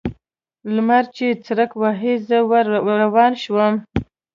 لمر چې څرک واهه؛ زه ور روان شوم.